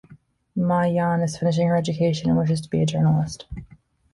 Ma Yan is finishing her education and wishes to be a journalist.